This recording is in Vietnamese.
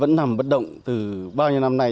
vẫn nằm bất động từ bao nhiêu năm nay